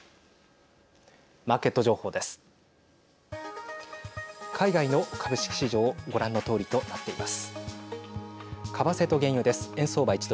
マーケット情報です。